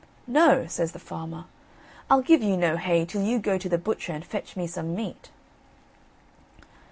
"No," says the farmer, "I'll give you no hay, till you go to the butcher and fetch me some meat."